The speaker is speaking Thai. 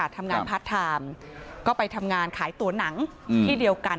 ทำงานพาร์ทไทม์ก็ไปทำงานขายตัวหนังที่เดียวกัน